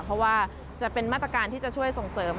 เพราะว่าจะเป็นมาตรการที่จะช่วยส่งเสริม